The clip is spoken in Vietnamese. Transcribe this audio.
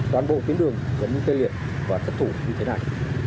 toàn bộ tuyến đường vẫn tê liệt và thất thủ như thế này